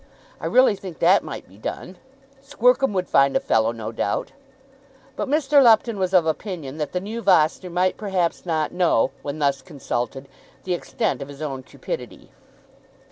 I really think that might be done. Squercum would find a fellow, no doubt." But Mr. Lupton was of opinion that the new Vossner might perhaps not know, when thus consulted, the extent of his own cupidity.